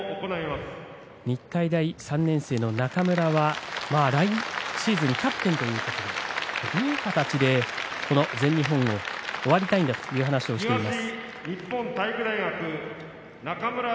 日体大３年生の中村泰輝は来シーズンキャプテンということでいい形で終わりたいんだという話をしています。